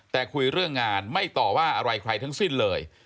แต่คุยเรื่องงานไม่ต่อว่าอะไรใครทั้งสิ้นเลย